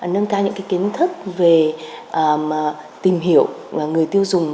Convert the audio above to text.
nâng cao những kiến thức về tìm hiểu người tiêu dùng